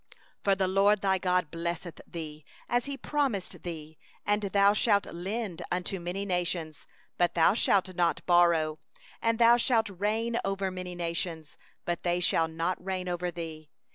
6For the LORD thy God will bless thee, as He promised thee; and thou shalt lend unto many nations, but thou shalt not borrow; and thou shalt rule over many nations, but they shall not rule over thee.